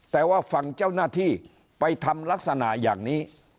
แต่ว่าฝั่งเจ้าหน้าที่ไปทำลักษณะอย่างนี้